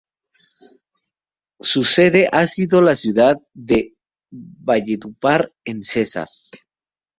Su sede ha sido la ciudad de Valledupar en Cesar.